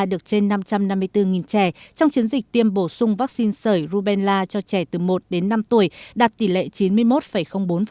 được trên năm trăm năm mươi bốn trẻ trong chiến dịch tiêm bổ sung vaccine sởi rubella cho trẻ từ một đến năm tuổi đạt tỷ lệ chín mươi một bốn